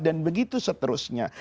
dan begitu seterusnya